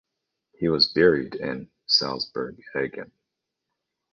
He was buried in Salzburg Aigen.